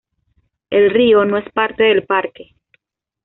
El río no es parte del parque.